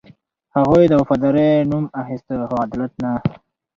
هغوی د وفادارۍ نوم اخیسته، خو عدالت نه.